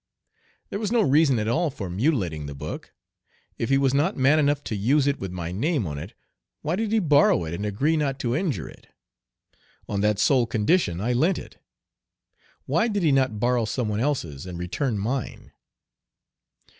There was no reason at all for mutilating the book. If he was not man enough to use it with my name on it, why did he borrow it and agree not to injure it? On that sole condition I lent it. Why did he not borrow some one else's and return mine?